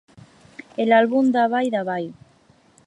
L'àlbum Davay-Davay!